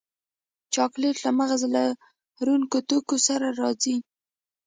چاکلېټ له مغز لرونکو توکو سره راځي.